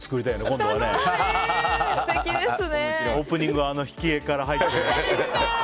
オープニングはあの引き画から入って。